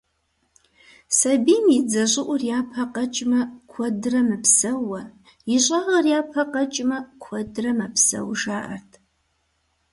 Сабийм и дзэ щӏыӏур япэ къэкӏмэ, куэдрэ мыпсэууэ, ищӏагъыр япэ къэкӏмэ, куэдрэ мэпсэу, жаӏэрт.